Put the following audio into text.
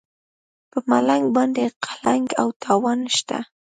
په ملنګ باندې قلنګ او تاوان نشته.